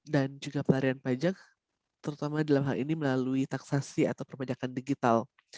dan juga penarian pajak terutama dalam hal ini melalui taksasi atau perpajakan digital